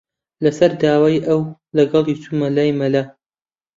لەسەر داوای ئەو، لەگەڵی چوومە لای مەلا